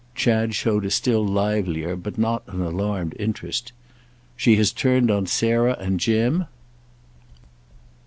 Chad showed a still livelier, but not an alarmed interest. "She has turned on Sarah and Jim?"